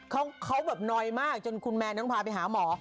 เขาแบบนอยมากจนคุณแมนต้องพาไปหาหมอ